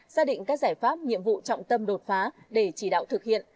xác định các giải pháp nhiệm vụ trọng tâm đột phá để chỉ đạo thực hiện